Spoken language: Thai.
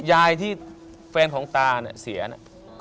ยายที่แฟนของตาเนี่ยเสียเนี่ย